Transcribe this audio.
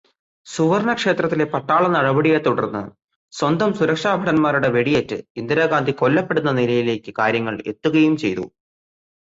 സുവര്ണക്ഷേത്രത്തിലെ പട്ടാളനടപടിയെ തുടര്ന്ന് സ്വന്തം സുരക്ഷാഭടന്മാരുടെ വെടിയേറ്റ് ഇന്ദിരാഗാന്ധി കൊല്ലപ്പെടുന്ന നിലയിലേക്ക് കാര്യങ്ങളെ എത്തുകയും ചെയ്തു.